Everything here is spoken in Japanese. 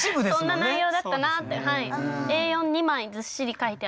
そんな内容だったなってはい。